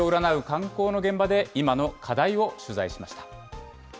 観光の現場で今の課題を取材しました。